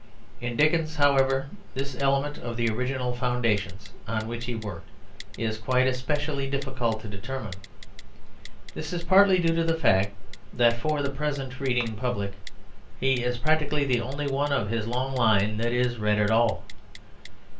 In Dickens, however, this element of the original foundations on which he worked is quite especially difficult to determine. This is partly due to the fact that for the present reading public he is practically the only one of his long line that is read at all.